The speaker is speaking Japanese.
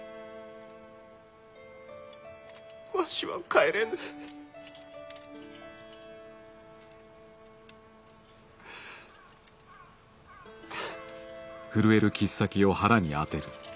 わしは帰れぬ。は。